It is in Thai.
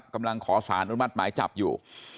กำลังขอสารอนุมัติหมายจับอยู่